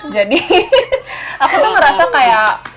jadi aku tuh ngerasa kayak